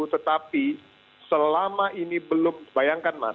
tetapi selama ini belum bayangkan mas